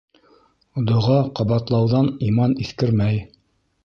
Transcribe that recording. Доға ҡабатлауҙан иман иҫкермәй.